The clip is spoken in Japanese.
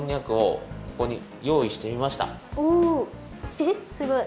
えっすごい。